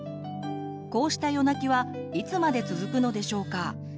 こうした夜泣きはいつまで続くのでしょうか？